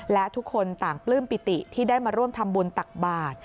และทุกคนต่างปลื้มปิติที่ได้มาร่วมทำบุญตักบาท